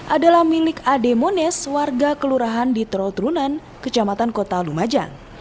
adalah milik ade mones warga kelurahan di terotrunan kecamatan kota lumajang